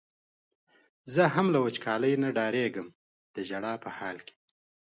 زه هم له وچکالۍ نه ډارېږم د ژړا په حال کې.